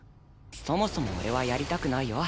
そもそも俺はやりたくないよ。